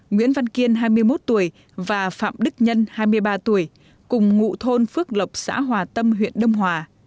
nguyễn văn kiên hai mươi một tuổi và phạm đức nhân hai mươi ba tuổi cùng ngụ thôn phước lộc xã hòa tâm huyện đông hòa